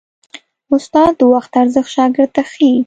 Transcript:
استاد د وخت ارزښت شاګرد ته ښيي.